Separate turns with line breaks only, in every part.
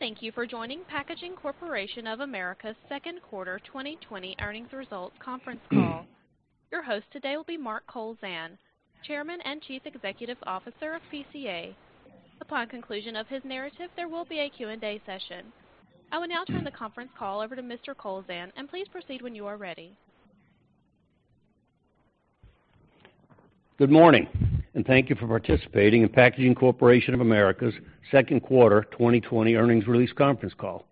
Thank you for joining Packaging Corporation of America's second quarter 2020 earnings results conference call. Your host today will be Mark Kowlzan, Chairman and Chief Executive Officer of PCA. Upon conclusion of his narrative, there will be a Q&A session. I will now turn the conference call over to Mr. Kowlzan, and please proceed when you are ready.
Good morning, and thank you for participating in Packaging Corporation of America's second quarter 2020 earnings release conference call.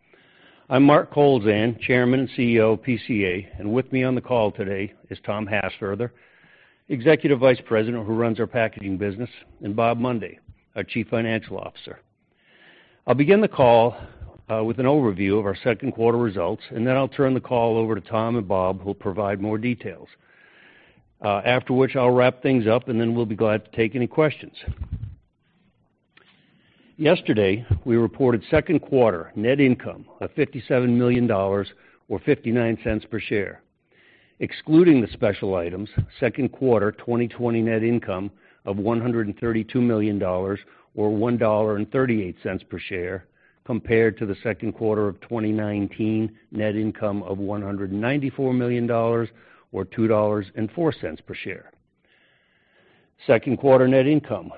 I'm Mark Kowlzan, Chairman and CEO of PCA, and with me on the call today is Tom Hassfurther, Executive Vice President who runs our packaging business, and Bob Mundy, our Chief Financial Officer. I'll begin the call with an overview of our second quarter results, and then I'll turn the call over to Tom and Bob, who will provide more details, after which I'll wrap things up, and then we'll be glad to take any questions. Yesterday, we reported second quarter net income of $57 million or $0.59 per share. Excluding the special items, second quarter 2020 net income of $132 million or $1.38 per share compared to the second quarter of 2019 net income of $194 million or $2.04 per share. Second quarter net income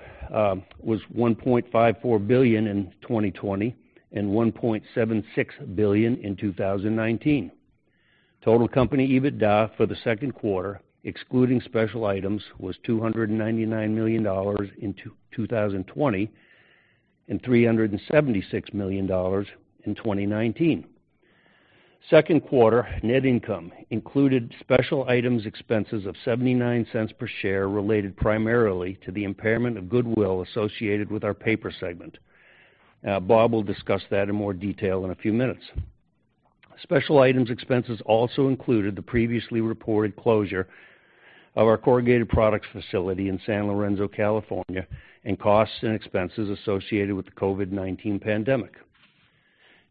was $1.54 billion in 2020 and $1.76 billion in 2019. Total company EBITDA for the second quarter, excluding special items, was $299 million in 2020 and $376 million in 2019. Second quarter net income included special items expenses of $0.79 per share, related primarily to the impairment of goodwill associated with our paper segment. Bob will discuss that in more detail in a few minutes. Special items expenses also included the previously reported closure of our corrugated products facility in San Lorenzo, California, and costs and expenses associated with the COVID-19 pandemic.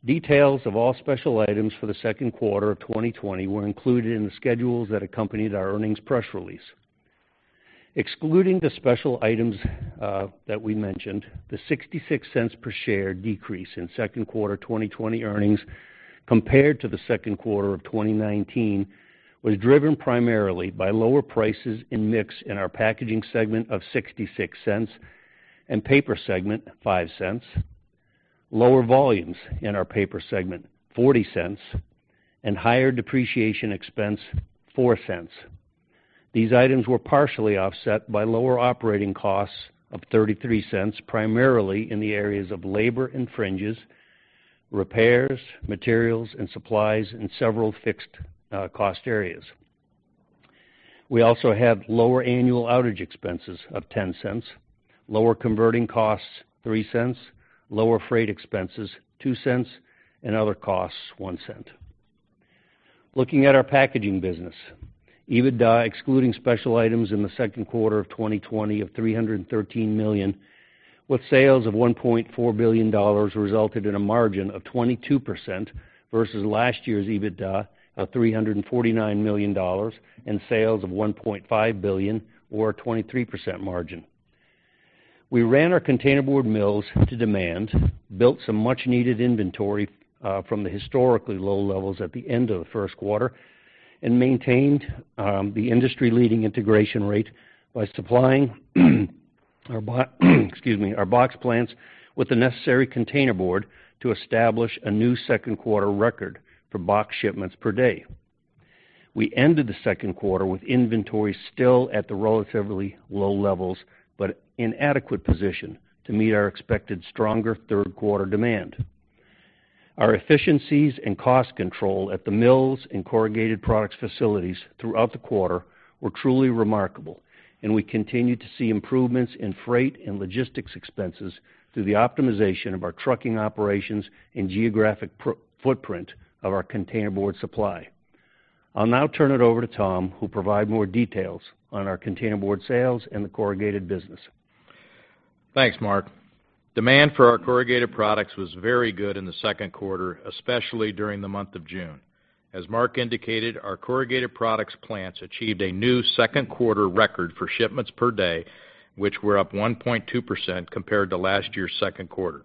Details of all special items for the second quarter of 2020 were included in the schedules that accompanied our earnings press release. Excluding the special items that we mentioned, the $0.66 per share decrease in second quarter 2020 earnings compared to the second quarter of 2019 was driven primarily by lower prices and mix in our packaging segment of $0.66 and paper segment of $0.05, lower volumes in our paper segment of $0.40, and higher depreciation expense of $0.04. These items were partially offset by lower operating costs of $0.33, primarily in the areas of labor expenses, repairs, materials, and supplies, and several fixed cost areas. We also had lower annual outage expenses of $0.10, lower converting costs of $0.03, lower freight expenses of $0.02, and other costs of $0.01. Looking at our packaging business, EBITDA, excluding special items in the second quarter of 2020, was $313 million, with sales of $1.4 billion resulting in a margin of 22% versus last year's EBITDA of $349 million and sales of $1.5 billion, or a 23% margin. We ran our containerboard mills to demand, built some much-needed inventory from the historically low levels at the end of the first quarter, and maintained the industry-leading integration rate by supplying our box plants with the necessary containerboard to establish a new second quarter record for box shipments per day. We ended the second quarter with inventory still at the relatively low levels but in adequate position to meet our expected stronger third quarter demand. Our efficiencies and cost control at the mills and corrugated products facilities throughout the quarter were truly remarkable, and we continue to see improvements in freight and logistics expenses through the optimization of our trucking operations and geographic footprint of our containerboard supply. I'll now turn it over to Tom, who will provide more details on our containerboard sales and the corrugated business.
Thanks, Mark. Demand for our corrugated products was very good in the second quarter, especially during the month of June. As Mark indicated, our corrugated products plants achieved a new second quarter record for shipments per day, which were up 1.2% compared to last year's second quarter.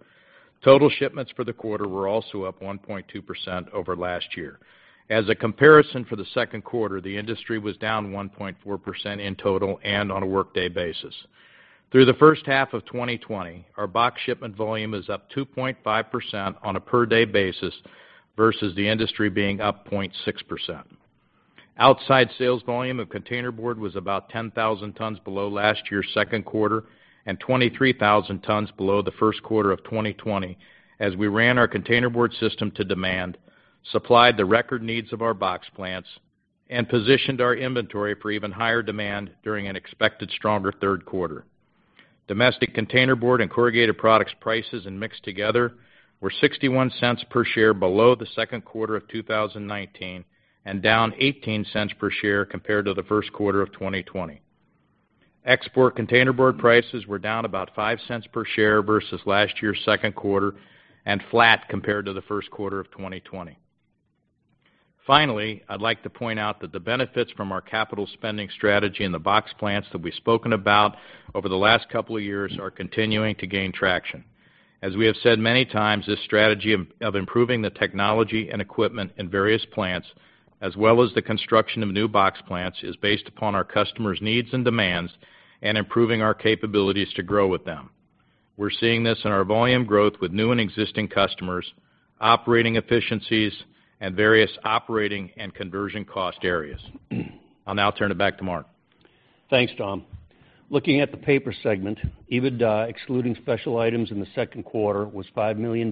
Total shipments for the quarter were also up 1.2% over last year. As a comparison for the second quarter, the industry was down 1.4% in total and on a workday basis. Through the first half of 2020, our box shipment volume is up 2.5% on a per-day basis versus the industry being up 0.6%. Outside sales volume of containerboard was about 10,000 tons below last year's second quarter and 23,000 tons below the first quarter of 2020 as we ran our containerboard system to demand, supplied the record needs of our box plants, and positioned our inventory for even higher demand during an expected stronger third quarter. Domestic containerboard and corrugated products prices and mixed together were $0.61 per share below the second quarter of 2019 and down $0.18 per share compared to the first quarter of 2020. Export containerboard prices were down about $0.05 per share versus last year's second quarter and flat compared to the first quarter of 2020. Finally, I'd like to point out that the benefits from our capital spending strategy in the box plants that we've spoken about over the last couple of years are continuing to gain traction. As we have said many times, this strategy of improving the technology and equipment in various plants, as well as the construction of new box plants, is based upon our customers' needs and demands and improving our capabilities to grow with them. We're seeing this in our volume growth with new and existing customers, operating efficiencies, and various operating and conversion cost areas. I'll now turn it back to Mark.
Thanks, Tom. Looking at the paper segment, EBITDA, excluding special items in the second quarter, was $5 million,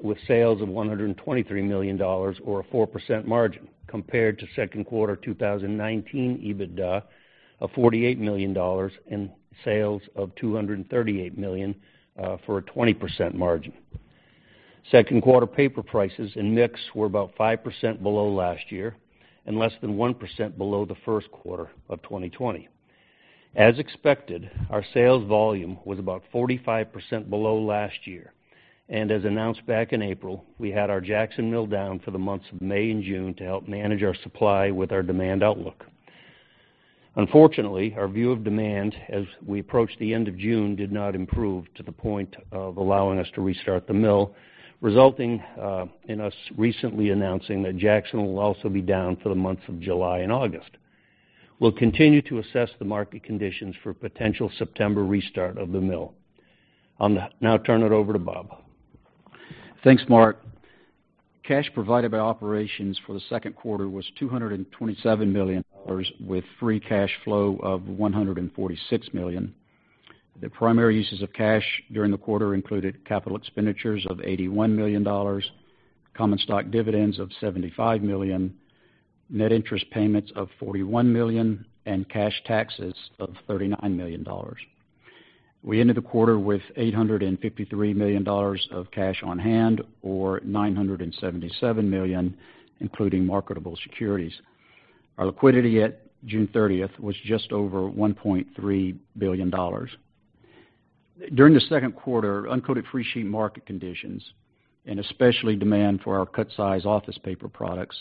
with sales of $123 million, or a 4% margin, compared to second quarter 2019 EBITDA of $48 million and sales of $238 million for a 20% margin. Second quarter paper prices and mix were about 5% below last year and less than 1% below the first quarter of 2020. As expected, our sales volume was about 45% below last year, and as announced back in April, we had our Jackson Mill down for the months of May and June to help manage our supply with our demand outlook. Unfortunately, our view of demand as we approached the end of June did not improve to the point of allowing us to restart the mill, resulting in us recently announcing that Jackson will also be down for the months of July and August. We'll continue to assess the market conditions for potential September restart of the mill. I'll now turn it over to Bob.
Thanks, Mark. Cash provided by operations for the second quarter was $227 million, with free cash flow of $146 million. The primary uses of cash during the quarter included capital expenditures of $81 million, common stock dividends of $75 million, net interest payments of $41 million, and cash taxes of $39 million. We ended the quarter with $853 million of cash on hand, or $977 million, including marketable securities. Our liquidity at June 30th was just over $1.3 billion. During the second quarter, uncoated freesheet market conditions, and especially demand for our cut-size office paper products,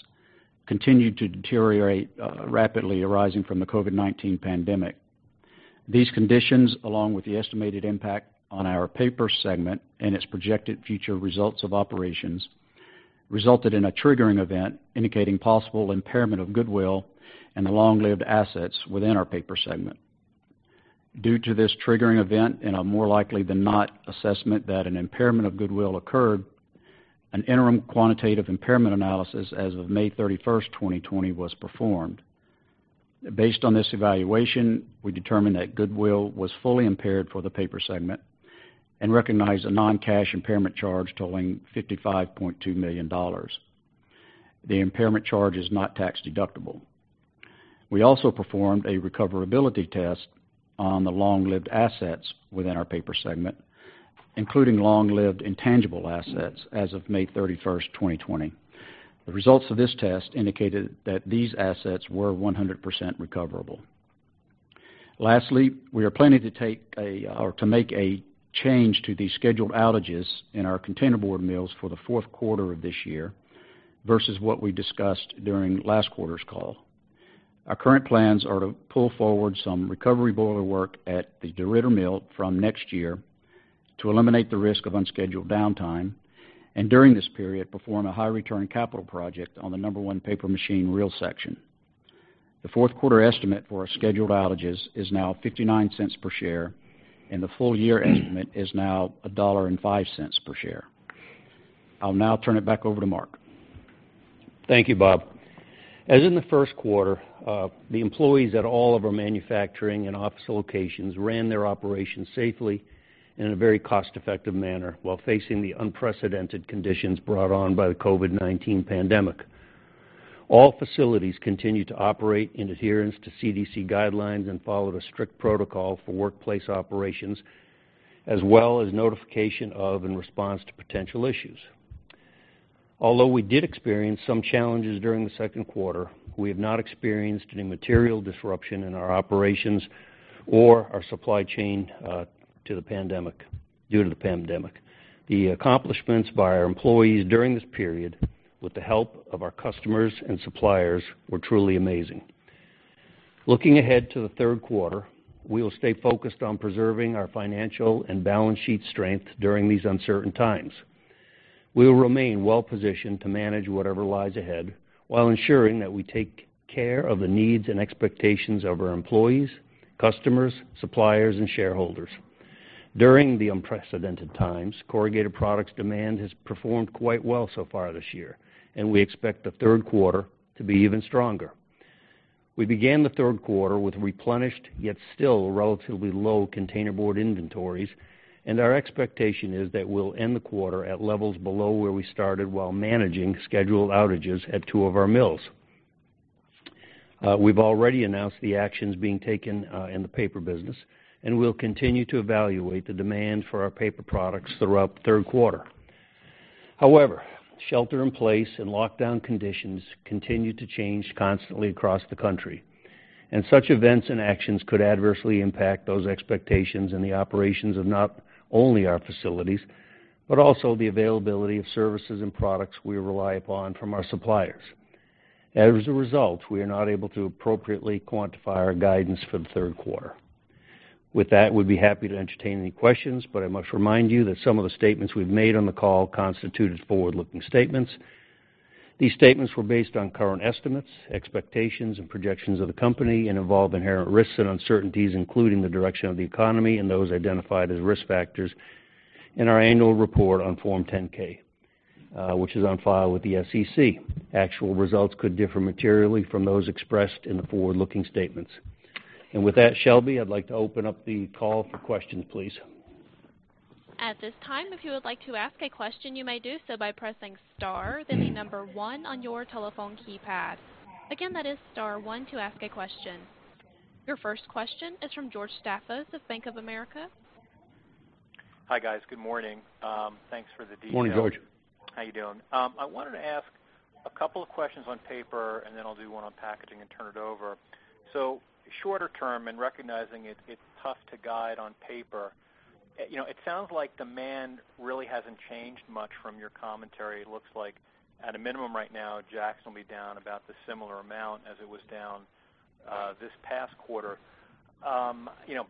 continued to deteriorate rapidly, arising from the COVID-19 pandemic. These conditions, along with the estimated impact on our paper segment and its projected future results of operations, resulted in a triggering event indicating possible impairment of goodwill and the long-lived assets within our paper segment. Due to this triggering event and a more likely than not assessment that an impairment of goodwill occurred, an interim quantitative impairment analysis as of May 31st, 2020, was performed. Based on this evaluation, we determined that goodwill was fully impaired for the paper segment and recognized a non-cash impairment charge totaling $55.2 million. The impairment charge is not tax-deductible. We also performed a recoverability test on the long-lived assets within our paper segment, including long-lived intangible assets as of May 31st, 2020. The results of this test indicated that these assets were 100% recoverable. Lastly, we are planning to make a change to the scheduled outages in our containerboard mills for the fourth quarter of this year versus what we discussed during last quarter's call. Our current plans are to pull forward some recovery boiler work at the DeRidder Mill from next year to eliminate the risk of unscheduled downtime, and during this period, perform a high-return capital project on the number one paper machine reel section. The fourth quarter estimate for our scheduled outages is now $0.59 per share, and the full-year estimate is now $1.05 per share. I'll now turn it back over to Mark.
Thank you, Bob. As in the first quarter, the employees at all of our manufacturing and office locations ran their operations safely and in a very cost-effective manner while facing the unprecedented conditions brought on by the COVID-19 pandemic. All facilities continued to operate in adherence to CDC guidelines and followed a strict protocol for workplace operations, as well as notification of and response to potential issues. Although we did experience some challenges during the second quarter, we have not experienced any material disruption in our operations or our supply chain due to the pandemic. The accomplishments by our employees during this period, with the help of our customers and suppliers, were truly amazing. Looking ahead to the third quarter, we will stay focused on preserving our financial and balance sheet strength during these uncertain times. We will remain well-positioned to manage whatever lies ahead while ensuring that we take care of the needs and expectations of our employees, customers, suppliers, and shareholders. During the unprecedented times, corrugated products demand has performed quite well so far this year, and we expect the third quarter to be even stronger. We began the third quarter with replenished yet still relatively low containerboard inventories, and our expectation is that we'll end the quarter at levels below where we started while managing scheduled outages at two of our mills. We've already announced the actions being taken in the paper business, and we'll continue to evaluate the demand for our paper products throughout the third quarter. However, shelter-in-place and lockdown conditions continue to change constantly across the country, and such events and actions could adversely impact those expectations and the operations of not only our facilities but also the availability of services and products we rely upon from our suppliers. As a result, we are not able to appropriately quantify our guidance for the third quarter. With that, we'd be happy to entertain any questions, but I must remind you that some of the statements we've made on the call constituted forward-looking statements. These statements were based on current estimates, expectations, and projections of the company and involve inherent risks and uncertainties, including the direction of the economy and those identified as risk factors in our annual report on Form 10-K, which is on file with the SEC. Actual results could differ materially from those expressed in the forward-looking statements. With that, Shelby, I'd like to open up the call for questions, please.
At this time, if you would like to ask a question, you may do so by pressing star then the number one on your telephone keypad. Again, that is star one to ask a question. Your first question is from George Staphos of Bank of America.
Hi, guys. Good morning. Thanks for the detail.
Morning, George.
How you doing? I wanted to ask a couple of questions on paper, and then I'll do one on packaging and turn it over. So shorter term, and recognizing it's tough to guide on paper, it sounds like demand really hasn't changed much from your commentary. It looks like, at a minimum right now, Jackson will be down about the similar amount as it was down this past quarter.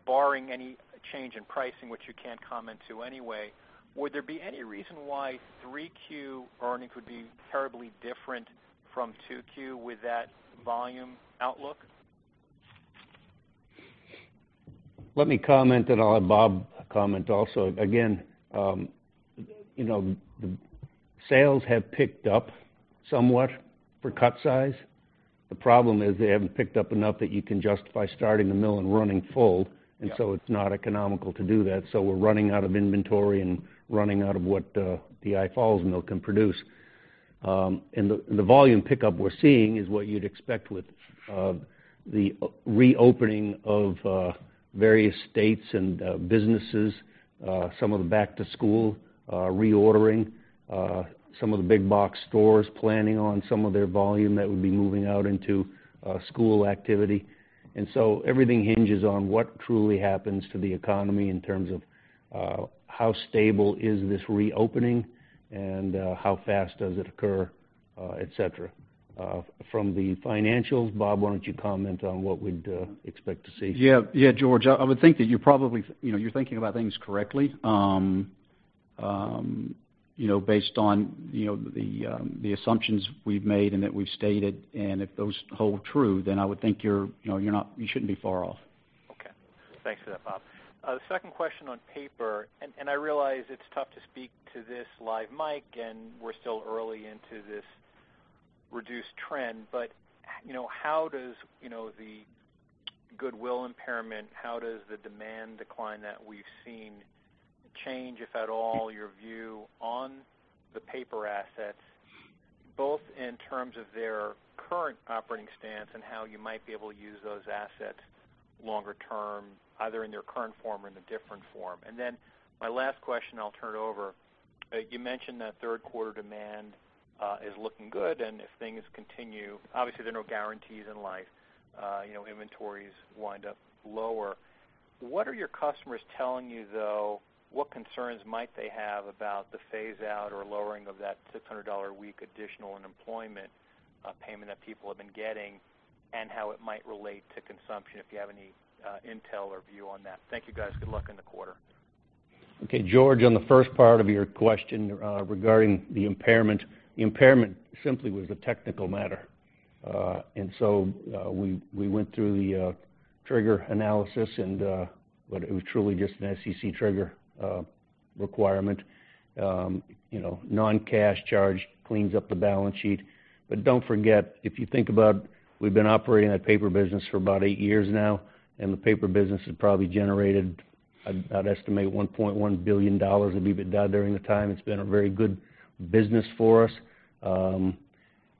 Barring any change in pricing, which you can't comment to anyway, would there be any reason why 3Q earnings would be terribly different from 2Q with that volume outlook?
Let me comment, and I'll have Bob comment also. Again, sales have picked up somewhat for cut size. The problem is they haven't picked up enough that you can justify starting the mill and running full, and so it's not economical to do that. So we're running out of inventory and running out of what the International Falls Mill can produce. And the volume pickup we're seeing is what you'd expect with the reopening of various states and businesses, some of the back-to-school reordering, some of the big box stores planning on some of their volume that would be moving out into school activity. And so everything hinges on what truly happens to the economy in terms of how stable is this reopening and how fast does it occur, etc. From the financials, Bob, why don't you comment on what we'd expect to see?
Yeah, George, I would think that you're probably thinking about things correctly based on the assumptions we've made and that we've stated. And if those hold true, then I would think you shouldn't be far off.
Okay. Thanks for that, Bob. Second question on paper, and I realize it's tough to speak to this live mic and we're still early into this reduced trend, but how does the goodwill impairment, how does the demand decline that we've seen change, if at all, your view on the paper assets, both in terms of their current operating stance and how you might be able to use those assets longer term, either in their current form or in a different form? And then my last question, I'll turn it over. You mentioned that third quarter demand is looking good, and if things continue, obviously there are no guarantees in life, inventories wind up lower. What are your customers telling you, though? What concerns might they have about the phase-out or lowering of that $600 a week additional in employment payment that people have been getting and how it might relate to consumption, if you have any intel or view on that? Thank you, guys. Good luck in the quarter.
Okay, George, on the first part of your question regarding the impairment, the impairment simply was a technical matter, and so we went through the trigger analysis, but it was truly just an SEC trigger requirement. Non-cash charge cleans up the balance sheet, but don't forget, if you think about it, we've been operating that paper business for about eight years now, and the paper business has probably generated, I'd estimate, $1.1 billion of EBITDA during the time. It's been a very good business for us.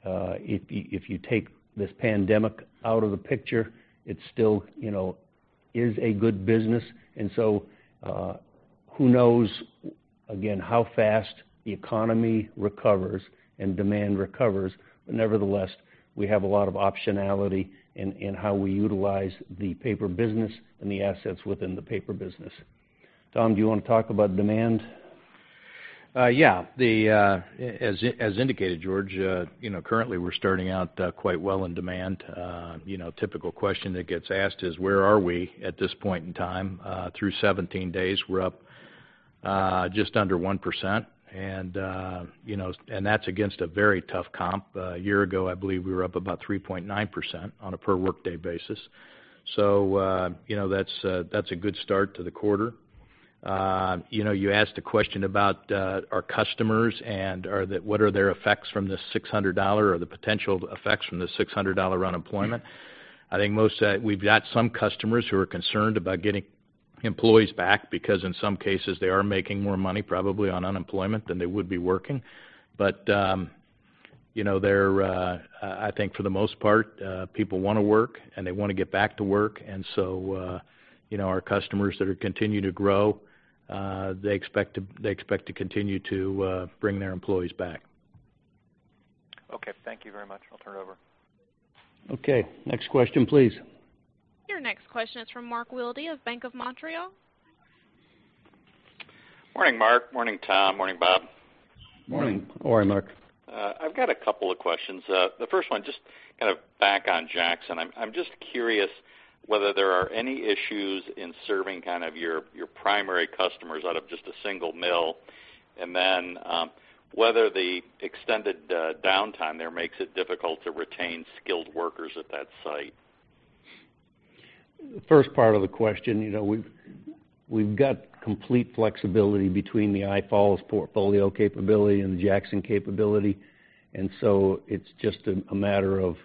If you take this pandemic out of the picture, it still is a good business, and so who knows, again, how fast the economy recovers and demand recovers, but nevertheless, we have a lot of optionality in how we utilize the paper business and the assets within the paper business. Tom, do you want to talk about demand?
Yeah. As indicated, George, currently we're starting out quite well in demand. Typical question that gets asked is, where are we at this point in time? Through 17 days, we're up just under 1%, and that's against a very tough comp. A year ago, I believe we were up about 3.9% on a per-workday basis. So that's a good start to the quarter. You asked a question about our customers and what are their effects from this $600 or the potential effects from this $600 unemployment. I think we've got some customers who are concerned about getting employees back because in some cases they are making more money probably on unemployment than they would be working. But I think for the most part, people want to work and they want to get back to work. And so our customers that are continuing to grow, they expect to continue to bring their employees back.
Okay. Thank you very much. I'll turn it over.
Okay. Next question, please.
Your next question is from Mark Wilde of Bank of Montreal.
Morning, Mark. Morning, Tom. Morning, Bob.
Morning.
Morning, Mark.
I've got a couple of questions. The first one, just kind of back on Jackson. I'm just curious whether there are any issues in serving kind of your primary customers out of just a single mill, and then whether the extended downtime there makes it difficult to retain skilled workers at that site?
First part of the question, we've got complete flexibility between the International Falls Mill portfolio capability and the Jackson Mill capability, and so it's just a matter of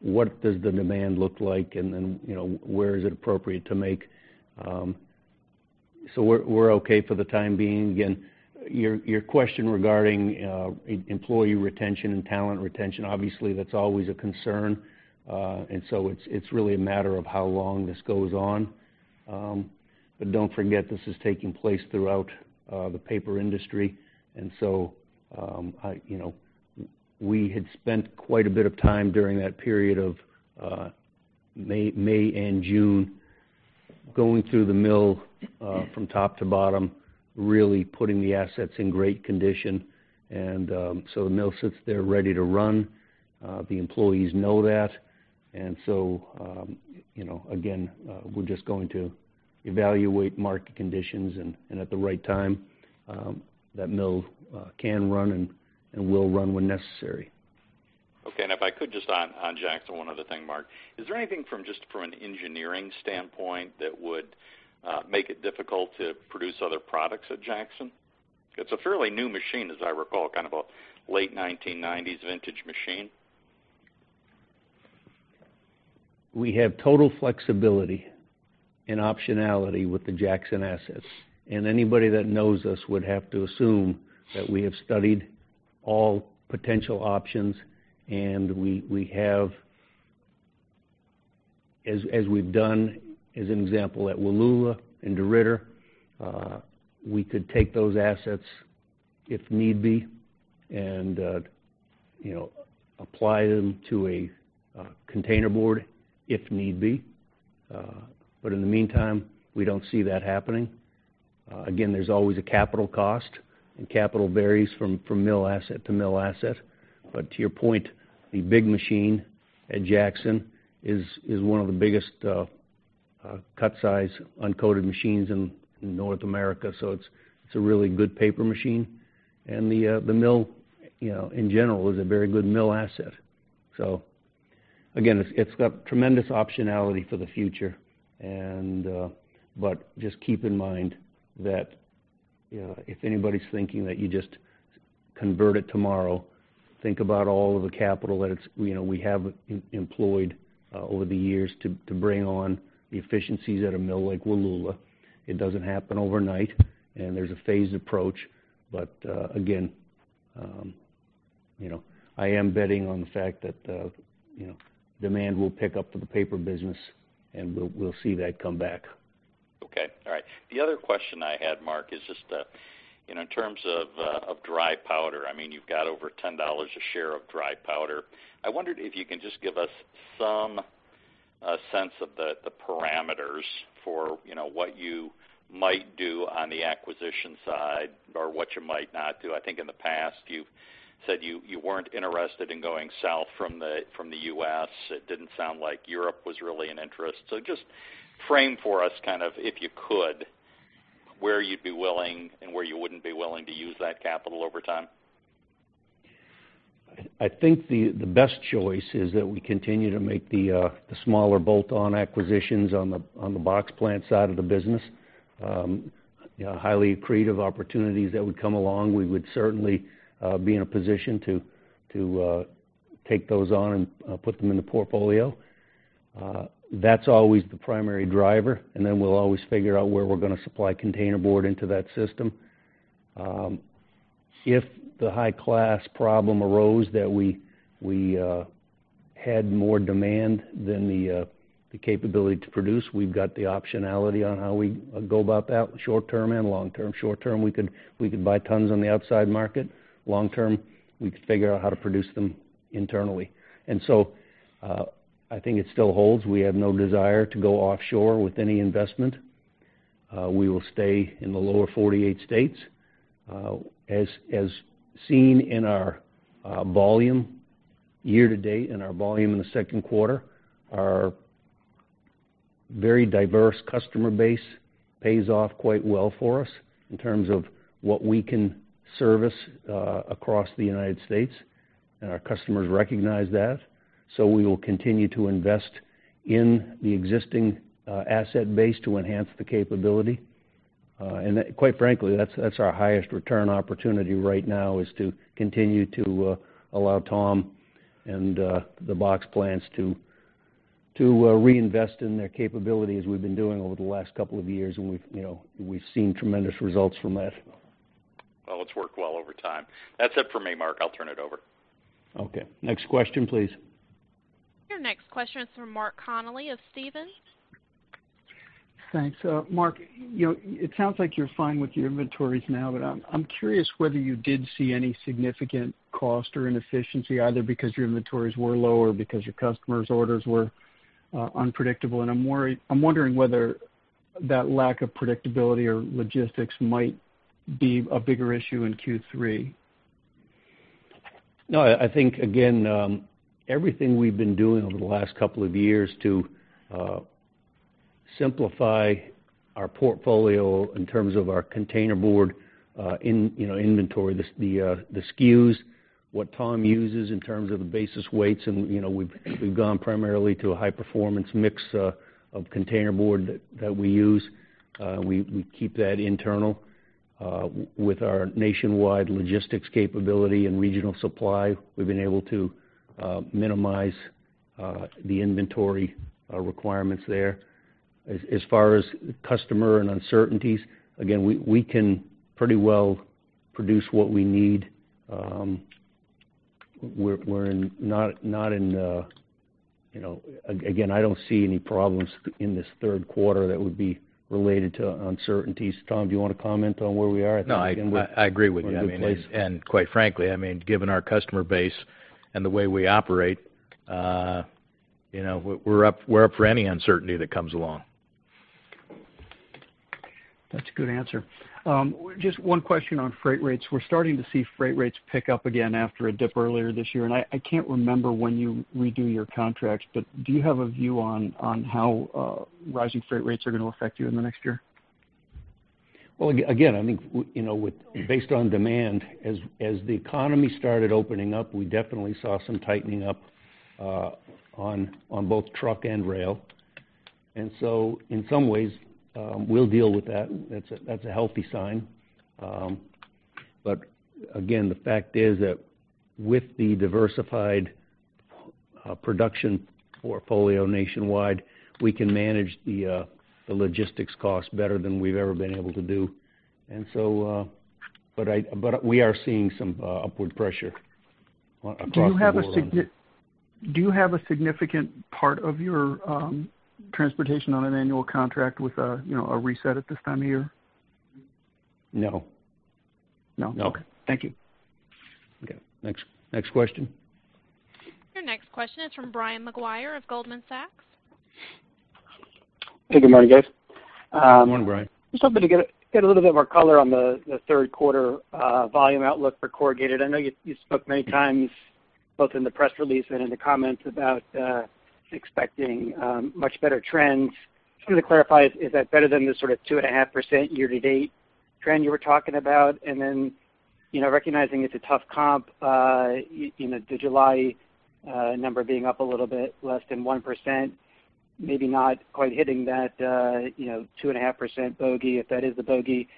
what does the demand look like and then where is it appropriate to make, so we're okay for the time being. Again, your question regarding employee retention and talent retention, obviously that's always a concern, and so it's really a matter of how long this goes on, but don't forget, this is taking place throughout the paper industry, and so we had spent quite a bit of time during that period of May and June going through the mill from top to bottom, really putting the assets in great condition, and so the mill sits there ready to run. The employees know that. And so again, we're just going to evaluate market conditions, and at the right time, that mill can run and will run when necessary.
Okay. And if I could, just on Jackson, one other thing, Mark. Is there anything just from an engineering standpoint that would make it difficult to produce other products at Jackson? It's a fairly new machine, as I recall, kind of a late 1990s vintage machine.
We have total flexibility and optionality with the Jackson assets. Anybody that knows us would have to assume that we have studied all potential options, and we have, as we've done as an example at Wallula and DeRidder. We could take those assets if need be and apply them to a containerboard if need be. But in the meantime, we don't see that happening. Again, there's always a capital cost, and capital varies from mill asset to mill asset. But to your point, the big machine at Jackson is one of the biggest cut-size uncoated machines in North America. So it's a really good paper machine. And the mill, in general, is a very good mill asset. So again, it's got tremendous optionality for the future. But just keep in mind that if anybody's thinking that you just convert it tomorrow, think about all of the capital that we have employed over the years to bring on the efficiencies at a mill like Wallula. It doesn't happen overnight, and there's a phased approach. But again, I am betting on the fact that demand will pick up for the paper business, and we'll see that come back.
Okay. All right. The other question I had, Mark, is just in terms of dry powder, I mean, you've got over $10 a share of dry powder. I wondered if you can just give us some sense of the parameters for what you might do on the acquisition side or what you might not do. I think in the past, you said you weren't interested in going south from the U.S. It didn't sound like Europe was really an interest. So just frame for us kind of, if you could, where you'd be willing and where you wouldn't be willing to use that capital over time.
I think the best choice is that we continue to make the smaller bolt-on acquisitions on the box plant side of the business. Highly accretive opportunities that would come along, we would certainly be in a position to take those on and put them in the portfolio. That's always the primary driver. And then we'll always figure out where we're going to supply containerboard into that system. If the high-class problem arose that we had more demand than the capability to produce, we've got the optionality on how we go about that short term and long term. Short term, we could buy tons on the outside market. Long term, we could figure out how to produce them internally. And so I think it still holds. We have no desire to go offshore with any investment. We will stay in the lower 48 states. As seen in our volume year to date and our volume in the second quarter, our very diverse customer base pays off quite well for us in terms of what we can service across the United States. And our customers recognize that. So we will continue to invest in the existing asset base to enhance the capability. And quite frankly, that's our highest return opportunity right now is to continue to allow Tom and the box plants to reinvest in their capability as we've been doing over the last couple of years, and we've seen tremendous results from that.
Let's work well over time. That's it for me, Mark. I'll turn it over.
Okay. Next question, please.
Your next question is from Mark Connelly of Stephens.
Thanks. Mark, it sounds like you're fine with your inventories now, but I'm curious whether you did see any significant cost or inefficiency, either because your inventories were low or because your customers' orders were unpredictable. And I'm wondering whether that lack of predictability or logistics might be a bigger issue in Q3.
No, I think, again, everything we've been doing over the last couple of years to simplify our portfolio in terms of our containerboard inventory, the SKUs, what Tom uses in terms of the basis weights, and we've gone primarily to a high-performance mix of containerboard that we use. We keep that internal. With our nationwide logistics capability and regional supply, we've been able to minimize the inventory requirements there. As far as customer and uncertainties, again, we can pretty well produce what we need. We're not in the, again, I don't see any problems in this third quarter that would be related to uncertainties. Tom, do you want to comment on where we are?
No, I agree with you. And quite frankly, I mean, given our customer base and the way we operate, we're up for any uncertainty that comes along.
That's a good answer. Just one question on freight rates. We're starting to see freight rates pick up again after a dip earlier this year. And I can't remember when you redo your contracts, but do you have a view on how rising freight rates are going to affect you in the next year?
Again, I think based on demand, as the economy started opening up, we definitely saw some tightening up on both truck and rail. And so in some ways, we'll deal with that. That's a healthy sign. But again, the fact is that with the diversified production portfolio nationwide, we can manage the logistics costs better than we've ever been able to do. But we are seeing some upward pressure across the board.
Do you have a significant part of your transportation on an annual contract with a reset at this time of year?
No.
No. Okay. Thank you.
Okay. Next question.
Your next question is from Brian Maguire of Goldman Sachs.
Hey, good morning, guys.
Good morning, Brian.
Just hoping to get a little bit more color on the third quarter volume outlook for corrugated. I know you spoke many times, both in the press release and in the comments, about expecting much better trends. Just wanted to clarify, is that better than the sort of 2.5% year-to-date trend you were talking about? And then recognizing it's a tough comp, the July number being up a little bit, less than 1%, maybe not quite hitting that 2.5% bogey, if that is the bogey.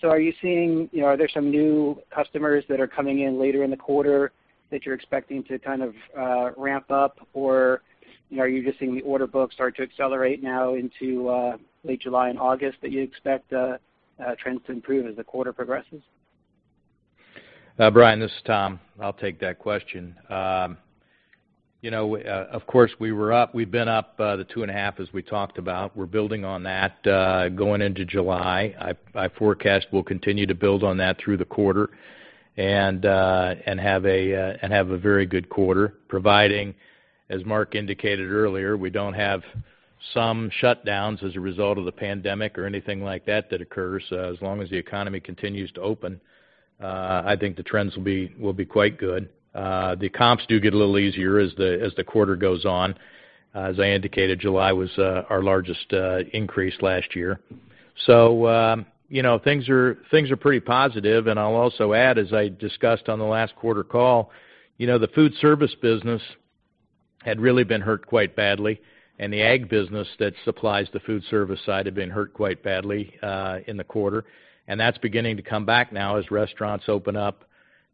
So are you seeing, are there some new customers that are coming in later in the quarter that you're expecting to kind of ramp up? Or are you just seeing the order book start to accelerate now into late July and August that you expect trends to improve as the quarter progresses?
Brian, this is Tom. I'll take that question. Of course, we've been up 2.5% as we talked about. We're building on that going into July. I forecast we'll continue to build on that through the quarter and have a very good quarter. Providing, as Mark indicated earlier, we don't have some shutdowns as a result of the pandemic or anything like that that occurs. As long as the economy continues to open, I think the trends will be quite good. The comps do get a little easier as the quarter goes on. As I indicated, July was our largest increase last year. So things are pretty positive. And I'll also add, as I discussed on the last quarter call, the food service business had really been hurt quite badly. And the ag business that supplies the food service side had been hurt quite badly in the quarter. That's beginning to come back now as restaurants open up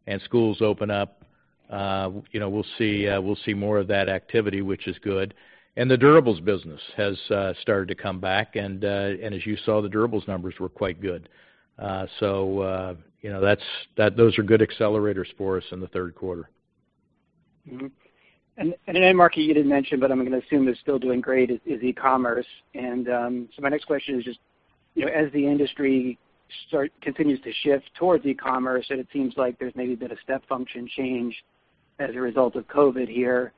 and schools open up. We'll see more of that activity, which is good. And the durables business has started to come back. And as you saw, the durables numbers were quite good. Those are good accelerators for us in the third quarter.
And then, Mark, you didn't mention, but I'm going to assume they're still doing great, is e-commerce. And so my next question is just, as the industry continues to shift towards e-commerce, and it seems like there's maybe been a step function change as a result of COVID here,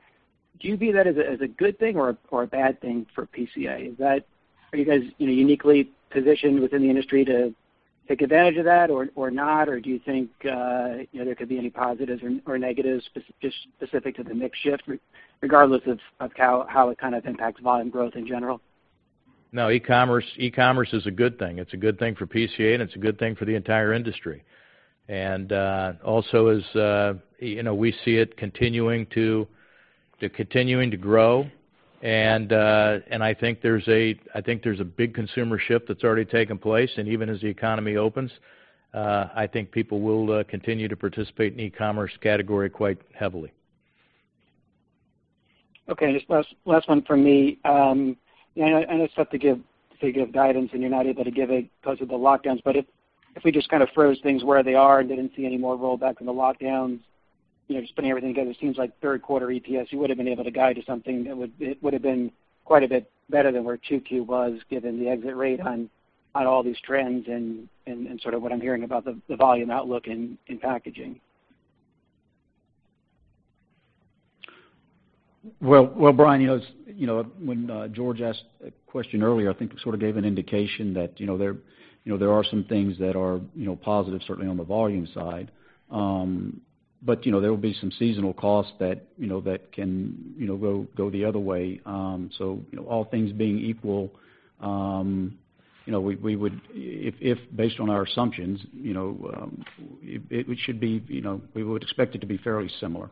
do you view that as a good thing or a bad thing for PCA? Are you guys uniquely positioned within the industry to take advantage of that or not? Or do you think there could be any positives or negatives specific to the mix shift, regardless of how it kind of impacts volume growth in general?
No, e-commerce is a good thing. It's a good thing for PCA, and it's a good thing for the entire industry. And also, we see it continuing to grow. And I think there's a big consumer shift that's already taken place. And even as the economy opens, I think people will continue to participate in the e-commerce category quite heavily.
Okay. Just last one from me. I know it's tough to give guidance, and you're not able to give it because of the lockdowns. But if we just kind of froze things where they are and didn't see any more rollback from the lockdowns, just putting everything together, it seems like third quarter EPS, you would have been able to guide to something that would have been quite a bit better than where Q2 was, given the exit rate on all these trends and sort of what I'm hearing about the volume outlook in packaging.
Brian, when George asked a question earlier, I think sort of gave an indication that there are some things that are positive, certainly on the volume side. But there will be some seasonal costs that can go the other way. So all things being equal, we would, based on our assumptions, it should be we would expect it to be fairly similar.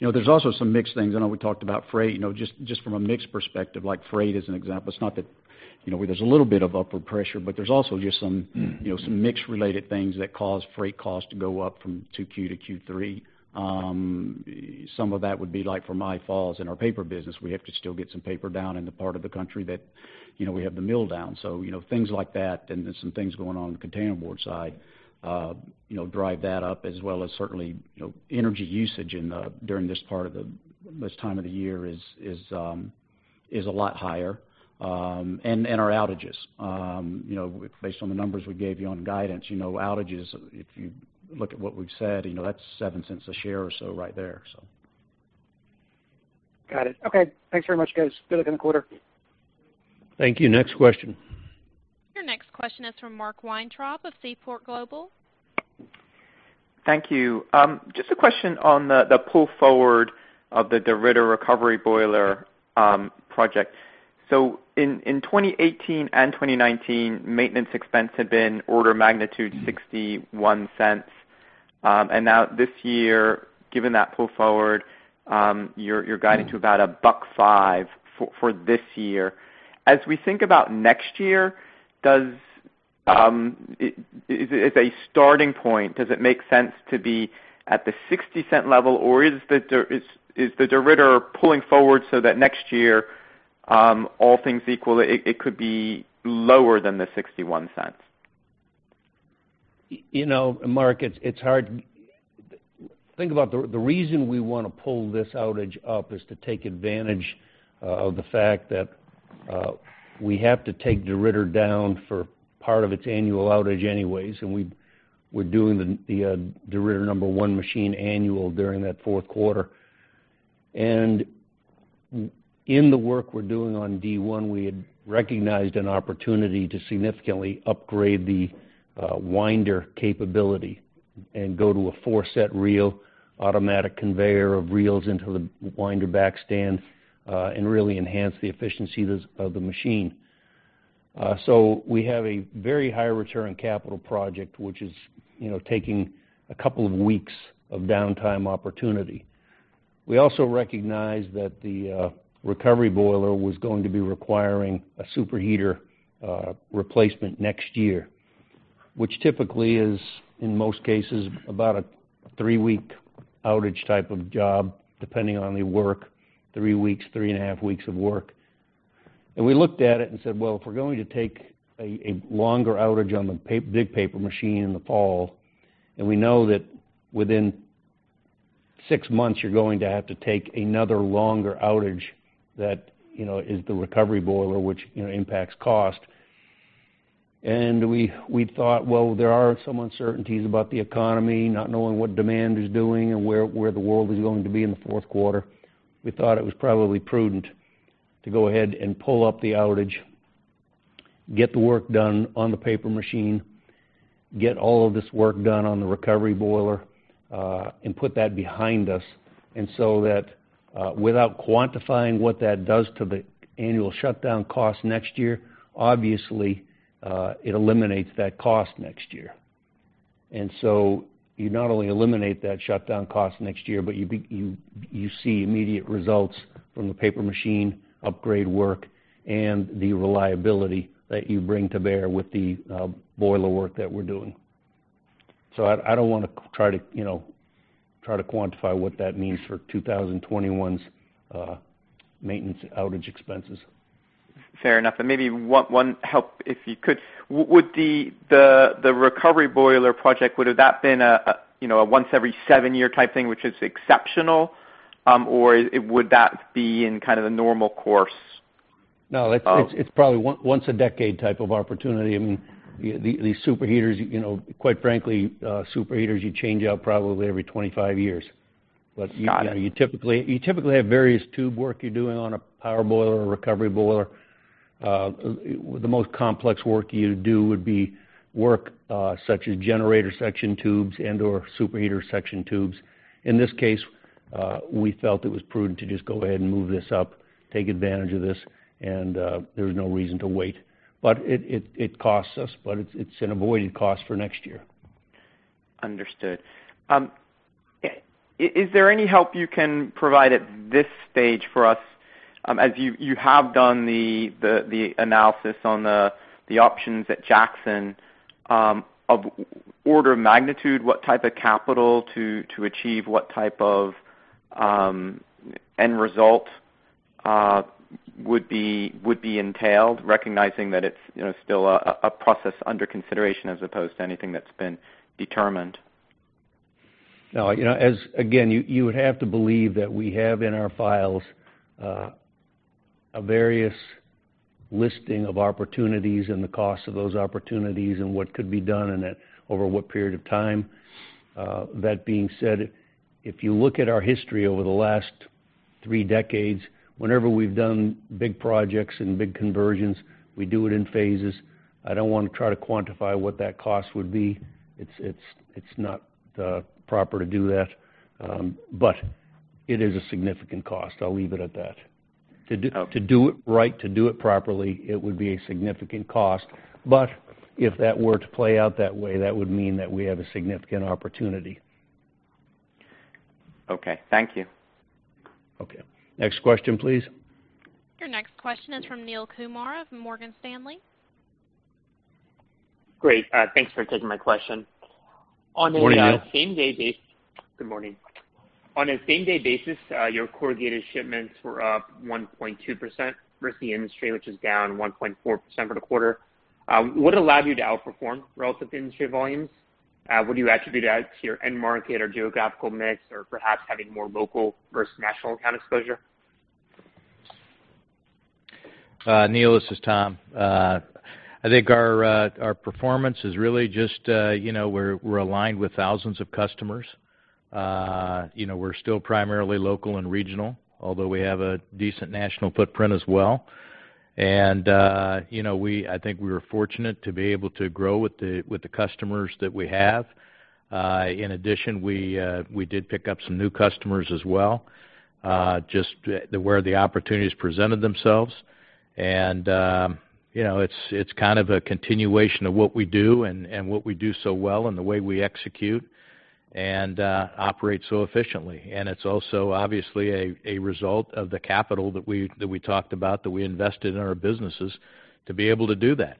There's also some mixed things. I know we talked about freight. Just from a mixed perspective, like freight as an example, it's not that there's a little bit of upward pressure, but there's also just some mixed-related things that cause freight costs to go up from Q2 to Q3. Some of that would be like from International Falls in our paper business. We have to still get some paper down in the part of the country that we have the mill down. Things like that and then some things going on in the containerboard side drive that up, as well as certainly energy usage during this part of this time of the year is a lot higher. And our outages. Based on the numbers we gave you on guidance, outages, if you look at what we've said, that's $0.07 a share or so right there, so.
Got it. Okay. Thanks very much, guys. Good looking quarter.
Thank you. Next question.
Your next question is from Mark Weintraub of Seaport Global.
Thank you. Just a question on the pull forward of the DeRidder Recovery Boiler project. So in 2018 and 2019, maintenance expense had been order of magnitude $0.61. And now this year, given that pull forward, you're guiding to about $1.05 for this year. As we think about next year, as a starting point, does it make sense to be at the $0.60 level, or is the DeRidder pulling forward so that next year, all things equal, it could be lower than the $0.61?
Mark, it's hard. Think about the reason we want to pull this outage up is to take advantage of the fact that we have to take DeRidder down for part of its annual outage anyways. We're doing the DeRidder number one machine annual during that fourth quarter. In the work we're doing on D1, we had recognized an opportunity to significantly upgrade the winder capability and go to a four-set reel automatic conveyor of reels into the winder back stand and really enhance the efficiency of the machine. We have a very high return capital project, which is taking a couple of weeks of downtime opportunity. We also recognize that the recovery boiler was going to be requiring a superheater replacement next year, which typically is, in most cases, about a three-week outage type of job, depending on the work, three weeks, three and a half weeks of work. And we looked at it and said, "Well, if we're going to take a longer outage on the big paper machine in the fall, and we know that within six months you're going to have to take another longer outage that is the recovery boiler, which impacts cost." And we thought, "Well, there are some uncertainties about the economy, not knowing what demand is doing and where the world is going to be in the fourth quarter." We thought it was probably prudent to go ahead and pull up the outage, get the work done on the paper machine, get all of this work done on the recovery boiler, and put that behind us. And so that without quantifying what that does to the annual shutdown cost next year, obviously, it eliminates that cost next year. And so you not only eliminate that shutdown cost next year, but you see immediate results from the paper machine upgrade work and the reliability that you bring to bear with the boiler work that we're doing. So I don't want to try to quantify what that means for 2021's maintenance outage expenses.
Fair enough. And maybe one help, if you could. Would the recovery boiler project, would that have been a once every seven-year type thing, which is exceptional, or would that be in kind of a normal course?
No, it's probably once a decade type of opportunity. I mean, these superheaters, quite frankly, superheaters, you change out probably every 25 years. But you typically have various tube work you're doing on a power boiler or recovery boiler. The most complex work you do would be work such as generator section tubes and/or superheater section tubes. In this case, we felt it was prudent to just go ahead and move this up, take advantage of this, and there was no reason to wait. But it costs us, but it's an avoided cost for next year.
Understood. Is there any help you can provide at this stage for us? As you have done the analysis on the options at Jackson, of order of magnitude, what type of capital to achieve, what type of end result would be entailed, recognizing that it's still a process under consideration as opposed to anything that's been determined?
No. Again, you would have to believe that we have in our files a various listing of opportunities and the costs of those opportunities and what could be done in it over what period of time. That being said, if you look at our history over the last three decades, whenever we've done big projects and big conversions, we do it in phases. I don't want to try to quantify what that cost would be. It's not proper to do that. But it is a significant cost. I'll leave it at that. To do it right, to do it properly, it would be a significant cost. But if that were to play out that way, that would mean that we have a significant opportunity.
Okay. Thank you.
Okay. Next question, please.
Your next question is from Neel Kumar of Morgan Stanley.
Great. Thanks for taking my question. On a same-day basis.
Morning, Alex.
Good morning. On a same-day basis, your corrugated shipments were up 1.2% versus the industry, which is down 1.4% for the quarter. What allowed you to outperform relative to industry volumes? Would you attribute that to your end market or geographical mix or perhaps having more local versus national account exposure?
Neel, this is Tom. I think our performance is really just we're aligned with thousands of customers. We're still primarily local and regional, although we have a decent national footprint as well, and I think we were fortunate to be able to grow with the customers that we have. In addition, we did pick up some new customers as well, just where the opportunities presented themselves, and it's kind of a continuation of what we do and what we do so well and the way we execute and operate so efficiently, and it's also, obviously, a result of the capital that we talked about that we invested in our businesses to be able to do that,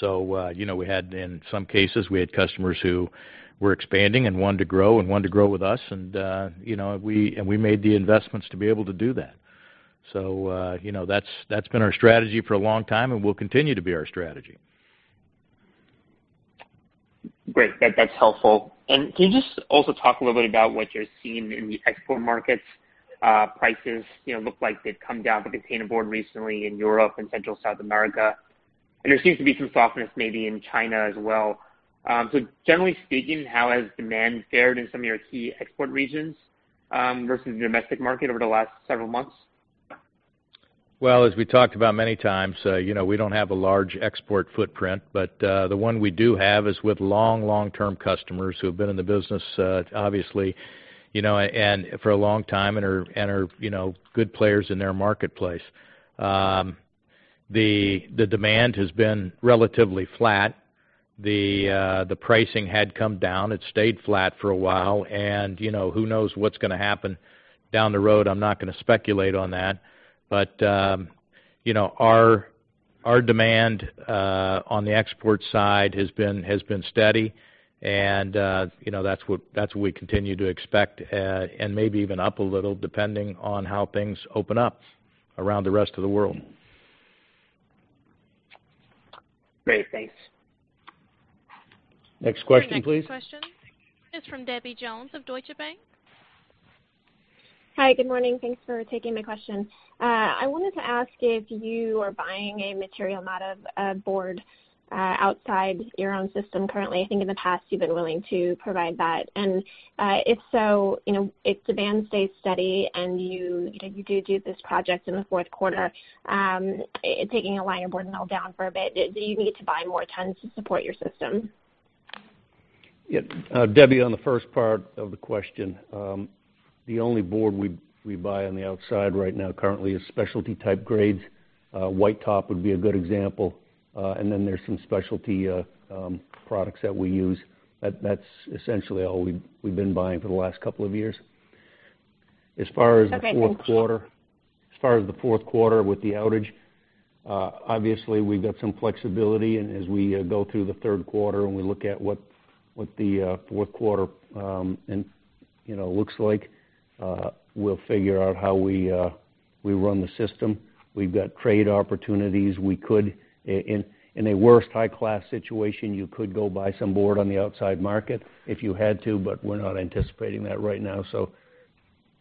so we had, in some cases, customers who were expanding and wanted to grow and wanted to grow with us, and we made the investments to be able to do that. So that's been our strategy for a long time and will continue to be our strategy.
Great. That's helpful. And can you just also talk a little bit about what you're seeing in the export markets? Prices look like they've come down for containerboard recently in Europe and Central and South America. And there seems to be some softness maybe in China as well. So generally speaking, how has demand fared in some of your key export regions versus the domestic market over the last several months?
Well, as we talked about many times, we don't have a large export footprint, but the one we do have is with long, long-term customers who have been in the business, obviously, and for a long time and are good players in their marketplace. The demand has been relatively flat. The pricing had come down. It stayed flat for a while. And who knows what's going to happen down the road? I'm not going to speculate on that. But our demand on the export side has been steady, and that's what we continue to expect, and maybe even up a little depending on how things open up around the rest of the world.
Great. Thanks.
Next question, please.
Next question is from Debbie Jones of Deutsche Bank.
Hi. Good morning. Thanks for taking my question. I wanted to ask if you are buying a material amount of board outside your own system currently. I think in the past, you've been willing to provide that. And if so, if demand stays steady and you do this project in the fourth quarter, taking a linerboard and all down for a bit, do you need to buy more tons to support your system?
Yeah. Debbie, on the first part of the question, the only board we buy on the outside right now currently is specialty-type grades. White top would be a good example. And then there's some specialty products that we use. That's essentially all we've been buying for the last couple of years. As far as the fourth quarter.
Okay. Go ahead.
As far as the fourth quarter with the outage, obviously, we've got some flexibility, and as we go through the third quarter and we look at what the fourth quarter looks like, we'll figure out how we run the system. We've got trade opportunities. We could, in a worst high-class situation, you could go buy some board on the outside market if you had to, but we're not anticipating that right now, so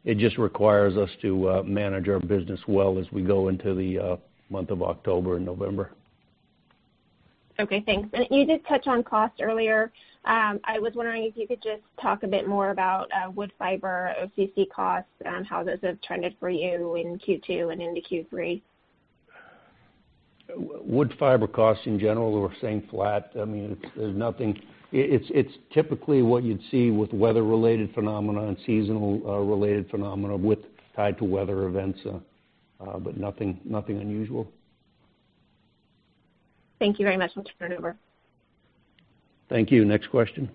it just requires us to manage our business well as we go into the month of October and November.
Okay. Thanks, and you did touch on cost earlier. I was wondering if you could just talk a bit more about wood fiber OCC costs and how those have trended for you in Q2 and into Q3.
Wood fiber costs in general are staying flat. I mean, it's typically what you'd see with weather-related phenomena and seasonal-related phenomena tied to weather events, but nothing unusual.
Thank you very much. Mr. Turnover.
Thank you. Next question.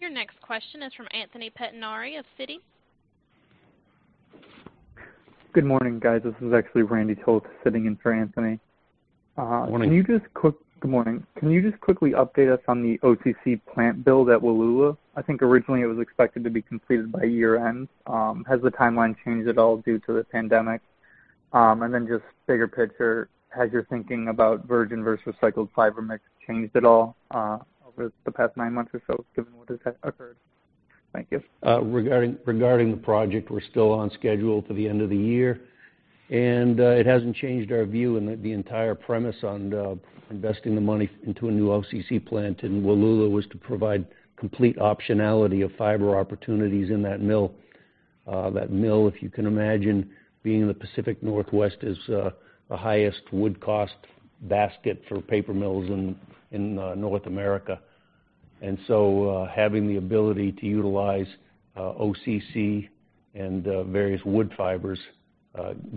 Your next question is from Anthony Pettinari of Citi.
Good morning, guys. This is actually Randy Toth sitting in for Anthony.
Morning.
Good morning. Can you just quickly update us on the OCC plant build at Wallula? I think originally it was expected to be completed by year-end. Has the timeline changed at all due to the pandemic? And then just bigger picture, has your thinking about virgin versus recycled fiber mix changed at all over the past nine months or so, given what has occurred? Thank you.
Regarding the project, we're still on schedule to the end of the year. And it hasn't changed our view in the entire premise on investing the money into a new OCC plant in Wallula was to provide complete optionality of fiber opportunities in that mill. That mill, if you can imagine, being in the Pacific Northwest, is the highest wood cost basket for paper mills in North America. And so having the ability to utilize OCC and various wood fibers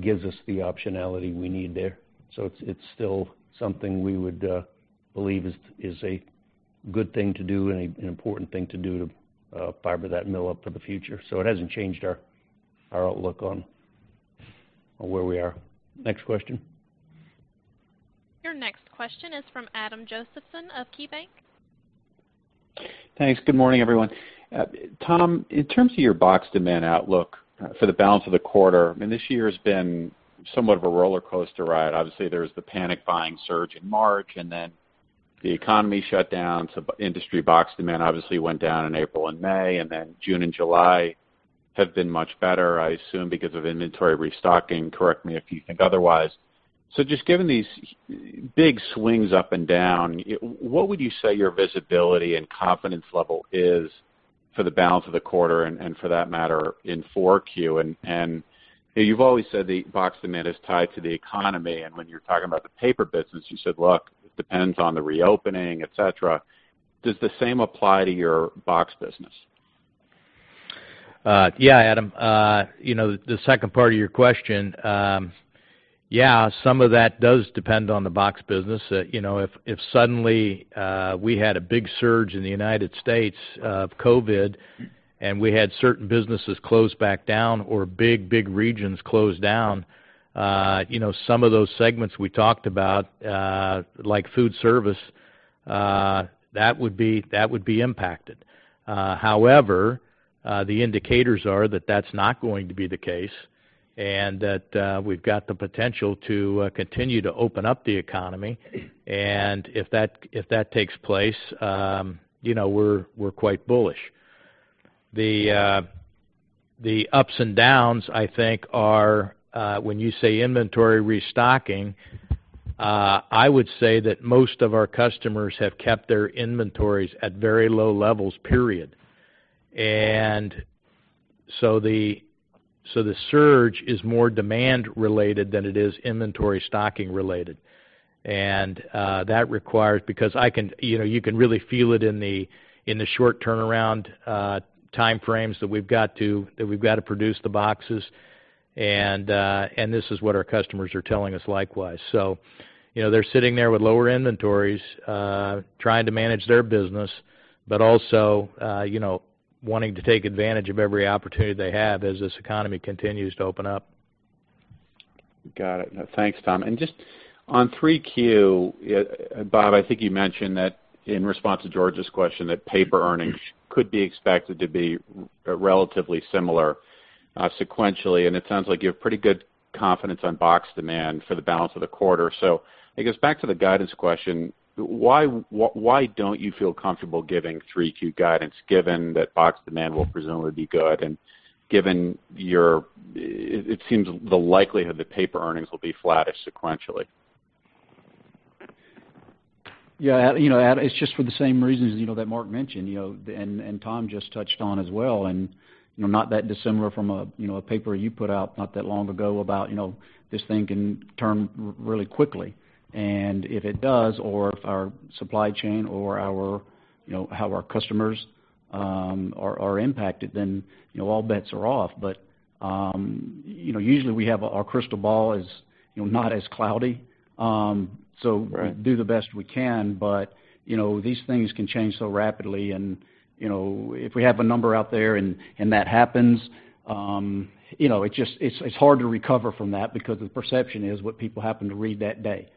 gives us the optionality we need there. So it's still something we would believe is a good thing to do and an important thing to do to fiber that mill up for the future. So it hasn't changed our outlook on where we are. Next question.
Your next question is from Adam Josephson of KeyBanc.
Thanks. Good morning, everyone. Tom, in terms of your box demand outlook for the balance of the quarter, I mean, this year has been somewhat of a roller coaster ride. Obviously, there was the panic buying surge in March, and then the economy shut down. So industry box demand obviously went down in April and May, and then June and July have been much better, I assume, because of inventory restocking. Correct me if you think otherwise. So just given these big swings up and down, what would you say your visibility and confidence level is for the balance of the quarter and for that matter in 4Q? And you've always said the box demand is tied to the economy. And when you're talking about the paper business, you said, "Look, it depends on the reopening," etc. Does the same apply to your box business?
Yeah, Adam. The second part of your question, yeah, some of that does depend on the box business. If suddenly we had a big surge in the United States of COVID and we had certain businesses close back down or big, big regions close down, some of those segments we talked about, like food service, that would be impacted. However, the indicators are that that's not going to be the case and that we've got the potential to continue to open up the economy, and if that takes place, we're quite bullish. The ups and downs, I think, are when you say inventory restocking. I would say that most of our customers have kept their inventories at very low levels, period, and so the surge is more demand-related than it is inventory stocking-related. And that requires, because you can really feel it in the short turnaround time frames that we've got to produce the boxes. And this is what our customers are telling us likewise. So they're sitting there with lower inventories, trying to manage their business, but also wanting to take advantage of every opportunity they have as this economy continues to open up.
Got it. Thanks, Tom. And just on 3Q, Bob, I think you mentioned that in response to George's question that paper earnings could be expected to be relatively similar sequentially. And it sounds like you have pretty good confidence on box demand for the balance of the quarter. So it goes back to the guidance question. Why don't you feel comfortable giving 3Q guidance given that box demand will presumably be good and given it seems the likelihood that paper earnings will be flattish sequentially?
Yeah. It's just for the same reasons that Mark mentioned and Tom just touched on as well. And not that dissimilar from a paper you put out not that long ago about this thing can turn really quickly. And if it does, or if our supply chain or how our customers are impacted, then all bets are off. But usually, our crystal ball is not as cloudy. So we do the best we can, but these things can change so rapidly. And if we have a number out there and that happens, it's hard to recover from that because the perception is what people happen to read that day.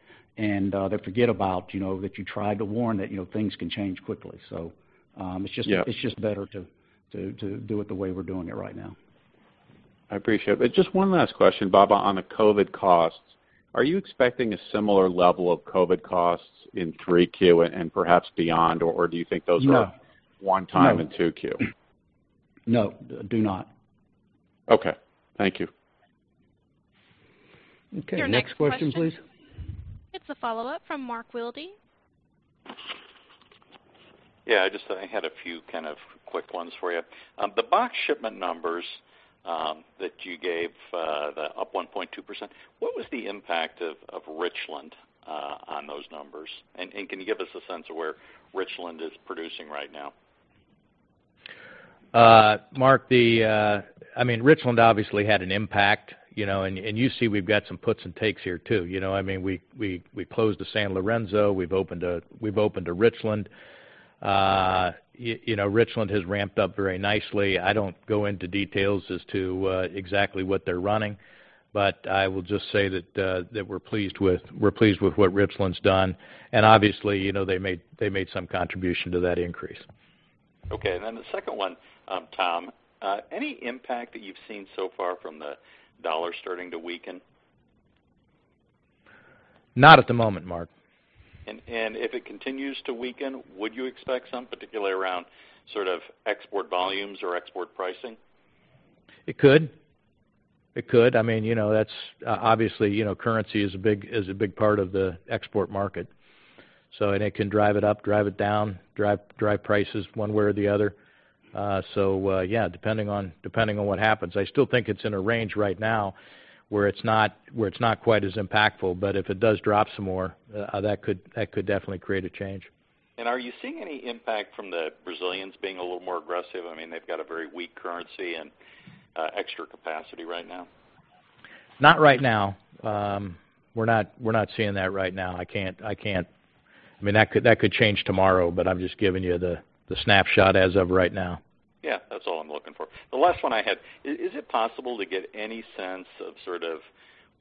And they forget about that you tried to warn that things can change quickly. So it's just better to do it the way we're doing it right now.
I appreciate it. But just one last question, Bob, on the COVID costs. Are you expecting a similar level of COVID costs in 3Q and perhaps beyond, or do you think those are one time in 2Q?
No. Do not.
Okay. Thank you.
Okay. Next question, please.
Your next question, please. It's a follow-up from Mark Wilde.
Yeah. I had a few kind of quick ones for you. The box shipment numbers that you gave up 1.2%, what was the impact of Richland on those numbers? And can you give us a sense of where Richland is producing right now?
Mark, I mean, Richland obviously had an impact. And you see we've got some puts and takes here too. I mean, we closed a San Lorenzo. We've opened a Richland. Richland has ramped up very nicely. I don't go into details as to exactly what they're running, but I will just say that we're pleased with what Richland's done. And obviously, they made some contribution to that increase.
Okay, and then the second one, Tom, any impact that you've seen so far from the dollar starting to weaken?
Not at the moment, Mark.
If it continues to weaken, would you expect something particularly around sort of export volumes or export pricing?
It could. It could. I mean, obviously, currency is a big part of the export market, and it can drive it up, drive it down, drive prices one way or the other, so yeah, depending on what happens. I still think it's in a range right now where it's not quite as impactful, but if it does drop some more, that could definitely create a change.
Are you seeing any impact from the Brazilians being a little more aggressive? I mean, they've got a very weak currency and extra capacity right now.
Not right now. We're not seeing that right now. I mean, that could change tomorrow, but I'm just giving you the snapshot as of right now.
Yeah. That's all I'm looking for. The last one I had, is it possible to get any sense of sort of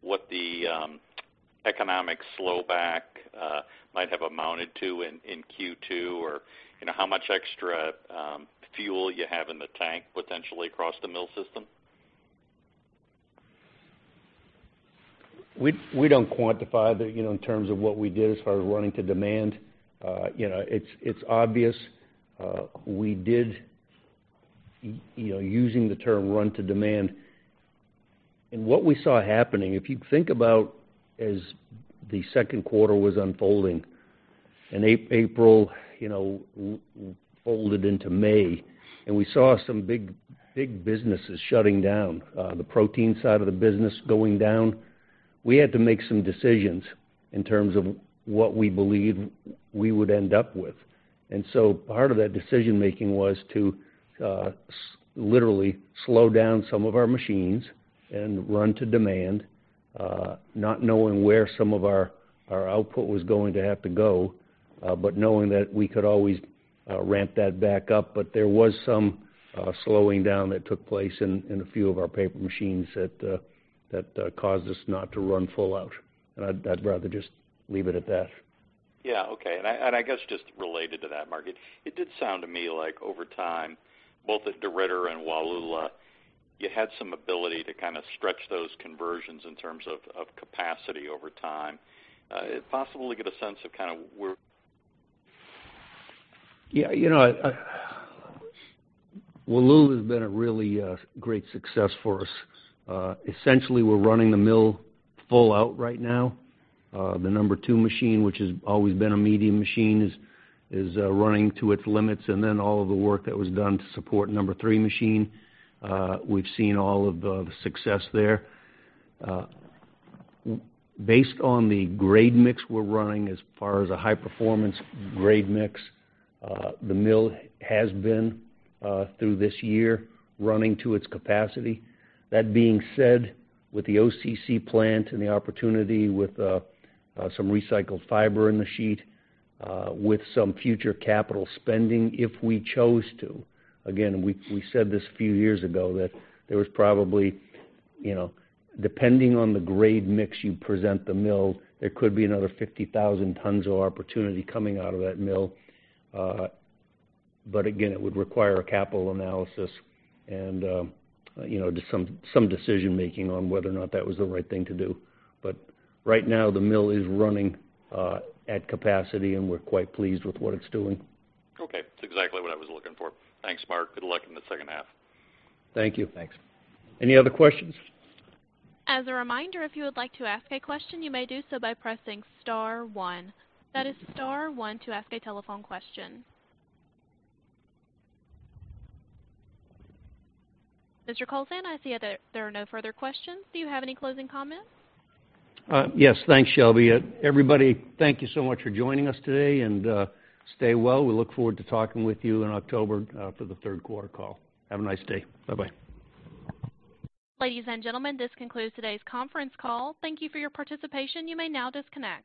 what the economic slowdown might have amounted to in Q2 or how much extra fuel you have in the tank potentially across the mill system?
We don't quantify in terms of what we did as far as running to demand. It's obvious. We did, using the term run to demand, and what we saw happening, if you think about as the second quarter was unfolding, and April folded into May, and we saw some big businesses shutting down, the protein side of the business going down, we had to make some decisions in terms of what we believed we would end up with, and so part of that decision-making was to literally slow down some of our machines and run to demand, not knowing where some of our output was going to have to go, but knowing that we could always ramp that back up, but there was some slowing down that took place in a few of our paper machines that caused us not to run full out. I'd rather just leave it at that.
Yeah. Okay. And I guess just related to that, Mark, it did sound to me like over time, both at DeRidder and Wallula, you had some ability to kind of stretch those conversions in terms of capacity over time. Is it possible to get a sense of kind of where?
Yeah. Wallula has been a really great success for us. Essentially, we're running the mill full out right now. The number two machine, which has always been a medium machine, is running to its limits. And then all of the work that was done to support number three machine, we've seen all of the success there. Based on the grade mix we're running as far as a high-performance grade mix, the mill has been through this year running to its capacity. That being said, with the OCC plant and the opportunity with some recycled fiber in the sheet, with some future capital spending, if we chose to, again, we said this a few years ago that there was probably, depending on the grade mix you present the mill, there could be another 50,000 tons of opportunity coming out of that mill. But again, it would require a capital analysis and some decision-making on whether or not that was the right thing to do. But right now, the mill is running at capacity, and we're quite pleased with what it's doing.
Okay. That's exactly what I was looking for. Thanks, Mark. Good luck in the second half.
Thank you.
Thanks.
Any other questions?
As a reminder, if you would like to ask a question, you may do so by pressing star one. That is star one to ask a telephone question. Mr. Kowlzan, I see that there are no further questions. Do you have any closing comments?
Yes. Thanks, Shelby. Everybody, thank you so much for joining us today and stay well. We look forward to talking with you in October for the third quarter call. Have a nice day. Bye-bye.
Ladies and gentlemen, this concludes today's conference call. Thank you for your participation. You may now disconnect.